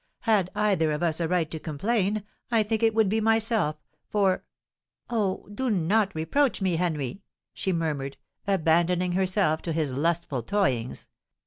"Had either of us a right to complain, I think it would be myself; for——" "Oh! do not reproach me, Henry!" she murmured, abandoning herself to his lustful toyings.